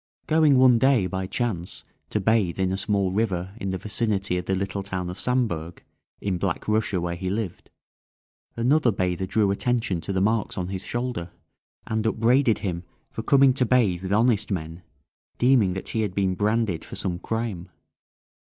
Going one day, by chance, to bathe in a small river in the vicinity of the little town of Samburg, in Black Russia, where he lived, another bather drew attention to the marks on his shoulder, and upbraided him for coming to bathe with honest men, deeming that he had been branded for some crime.